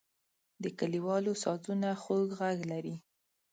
د کلیوالو سازونه خوږ غږ لري.